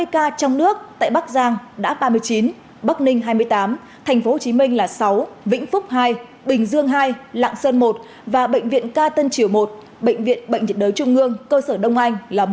hai mươi ca trong nước tại bắc giang đã ba mươi chín bắc ninh hai mươi tám tp hcm là sáu vĩnh phúc hai bình dương hai lạng sơn một và bệnh viện ca tân triều một bệnh viện bệnh nhiệt đới trung ương cơ sở đông anh là một